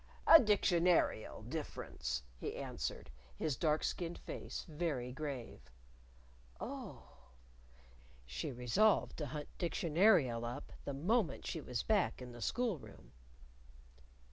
"A Dictionarial difference," he answered, his dark skinned face very grave. "Oh!" (She resolved to hunt Dictionarial up the moment she was back in the school room.)